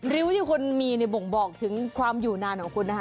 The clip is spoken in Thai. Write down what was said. ริ้วที่คุณมีบอกถึงความอยู่นานของคุณน่ะ